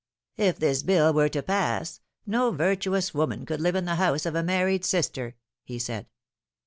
"If this Bill were to pass, no virtuous woman could live in the house of a married sister," he said.